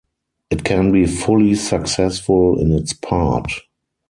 It can be fully successful in its part.